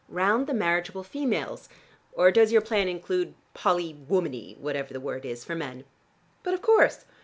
"Round the marriageable females. Or does your plan include poly womany, whatever the word is, for men?" "But of course.